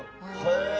へえ！